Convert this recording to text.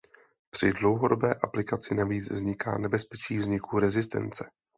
Při dlouhodobé aplikaci navíc vzniká nebezpečí vzniku rezistence.